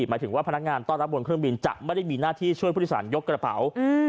หมายถึงว่าพนักงานต้อนรับบนเครื่องบินจะไม่ได้มีหน้าที่ช่วยผู้โดยสารยกกระเป๋า